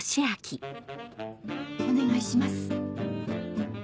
お願いします。